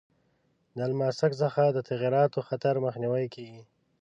د الماسک څخه د تعمیراتو خطر مخنیوی کیږي.